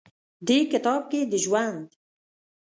دې کتاب کښې د ژوند